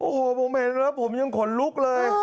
โอ้โหผมเห็นแล้วผมยังขนลุกเลย